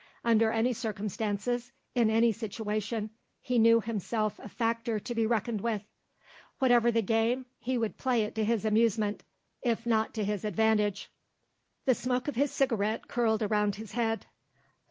Under any circumstances, in any situation he knew himself a factor to be reckoned with; whatever the game, he would play it to his amusement, if not to his advantage. The smoke of his cigarette curled round his head.